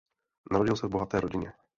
Narodil se v bohaté rodině.